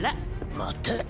待て。